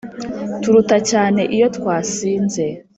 turuta cyane iyo twasinze